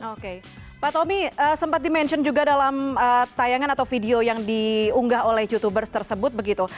oke pak tommy sempat di mention juga dalam tayangan atau video yang diunggah oleh youtubers tersebut begitu